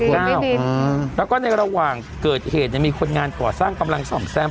แล้วก็ในระหว่างเกิดเหตุมีคนงานก่อสร้างกำลังส่อมแซม